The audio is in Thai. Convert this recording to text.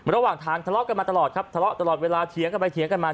ระหว่างทางทะเลาะกันมาตลอดครับทะเลาะตลอดเวลาเถียงกันไปเถียงกันมา